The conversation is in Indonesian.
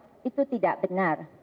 mohon maaf itu tidak benar